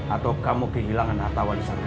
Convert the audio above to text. atau kamu kehilangan harta wali sangka